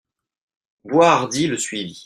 Boishardy le suivit.